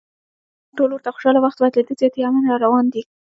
په وطن کې یو موږ ټول ورته خوشحاله، وخت بدلیږي زیاتي امن راروان دي